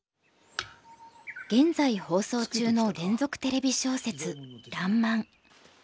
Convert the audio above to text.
現在放送中の連続テレビ小説「らんまん」。